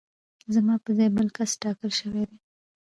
زما په ځای بل کس ټاکل شوی دی